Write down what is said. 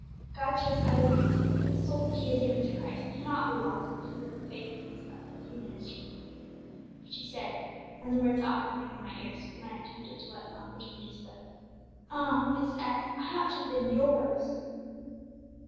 God chose other means, for the souls that He has given to Christ cannot be lost because of the unfaithfulness of a human instrument. But she said, and the words often ring in my ears when I am tempted to let an opportunity slip, 'Ah, Miss F., I ought to have been _yours!